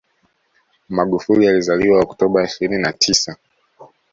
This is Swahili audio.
Magufuli alizaliwa Oktoba ishirini na tisa